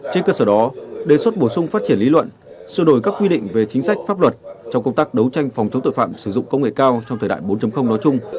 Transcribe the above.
trên cơ sở đó đề xuất bổ sung phát triển lý luận sửa đổi các quy định về chính sách pháp luật trong công tác đấu tranh phòng chống tội phạm sử dụng công nghệ cao trong thời đại bốn nói chung